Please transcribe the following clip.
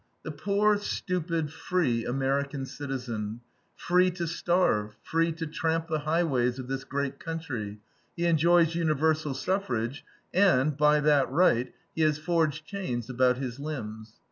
The poor, stupid, free American citizen! Free to starve, free to tramp the highways of this great country, he enjoys universal suffrage, and, by that right, he has forged chains about his limbs.